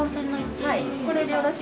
はい。